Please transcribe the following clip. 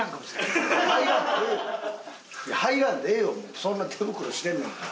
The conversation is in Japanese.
そんな手袋してんねんから。